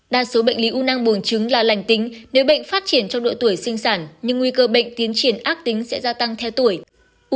đa số bệnh lý u nãng buồn trứng là lành tính nếu bệnh phát triển trong độ tuổi sinh sản nhưng nguy cơ bệnh tiến triển ác tính sẽ gia tăng theo tuổi